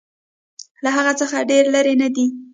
له هغه څخه ډېر لیري نه دی.